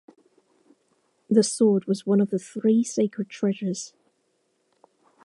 The sword was one of the three sacred treasures.